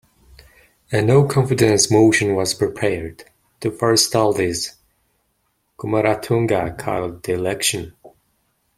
A no-confidence motion was prepared; to forestall this, Kumaratunga called the election.